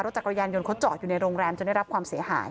จักรยานยนต์เขาจอดอยู่ในโรงแรมจนได้รับความเสียหาย